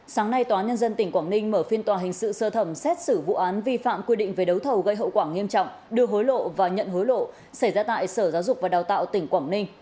sáng nay tòa nhân dân tỉnh quảng ninh mở phiên tòa hình sự sơ thẩm xét xử vụ án vi phạm quy định về đấu thầu gây hậu quả nghiêm trọng đưa hối lộ và nhận hối lộ xảy ra tại sở giáo dục và đào tạo tỉnh quảng ninh